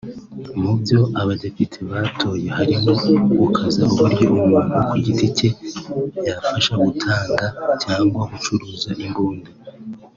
Mu byo abadepite batoye harimo gukaza uburyo umuntu ku giti cye yabasha gutunga cyangwa gucuruza imbunda